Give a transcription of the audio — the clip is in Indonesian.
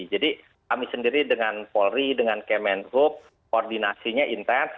jadi kami sendiri dengan polri dengan kemen group koordinasinya intens